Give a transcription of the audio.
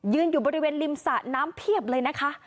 อยู่บริเวณริมสระน้ำเพียบเลยนะคะ